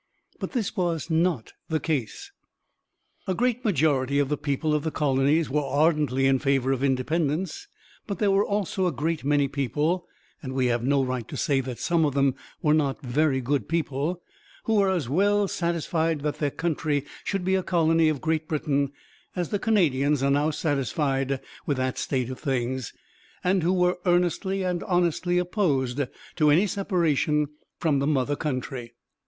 But this was not the case. A great majority of the people of the Colonies were ardently in favor of independence; but there were also a great many people, and we have no right to say that some of them were not very good people, who were as well satisfied that their country should be a colony of Great Britain as the Canadians are now satisfied with that state of things, and who were earnestly and honestly opposed to any separation from the mother country.